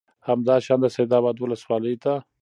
همدا شان د سید آباد ولسوالۍ ته